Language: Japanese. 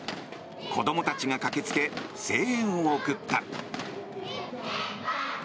子供たちが駆け付け声援を送った。